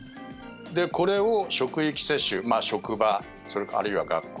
これを職域接種職場あるいは学校